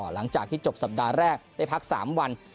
หลังจากที่จบสัปดาห์แรกได้พัก๓วัน